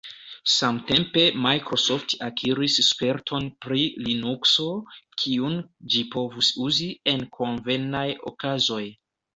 Samtempe Microsoft akiris sperton pri Linukso, kiun ĝi povas uzi en konvenaj okazoj.